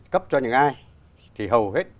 cấp cho những ai thì hầu hết